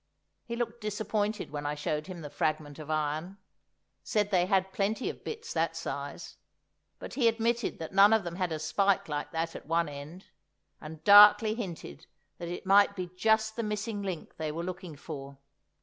He looked disappointed when I showed him the fragment of iron; said they had plenty of bits that size; but he admitted that none of them had a spike like that at one end, and darkly hinted that it might be just the missing link they were looking for.